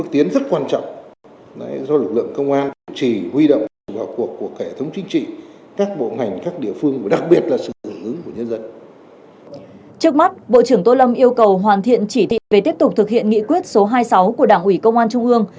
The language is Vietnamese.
trước mắt bộ trưởng tô lâm yêu cầu hoàn thiện chỉ thị về tiếp tục thực hiện nghị quyết số hai mươi sáu của đảng ủy công an trung ương